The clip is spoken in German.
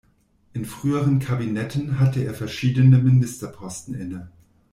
In früheren Kabinetten hatte er verschiedene Ministerposten inne.